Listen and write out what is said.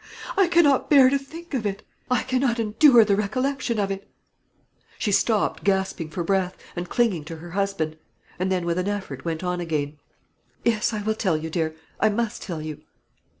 I cannot bear to think of it; I cannot endure the recollection of it " She stopped, gasping for breath, and clinging to her husband; and then, with an effort, went on again: "Yes; I will tell you, dear; I must tell you.